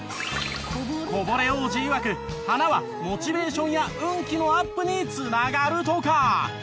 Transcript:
こぼれ王子いわく花はモチベーションや運気のアップにつながるとか。